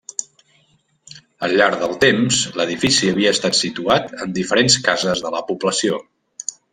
Al llarg del temps, l'edifici havia estat situat en diferents cases de la població.